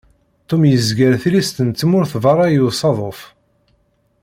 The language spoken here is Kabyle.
Tom yezger tilist n tmurt berra i usaḍuf.